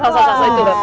tuh tuh awas awas awas